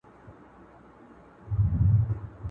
يو تر بله هم په عقل گړندي وه،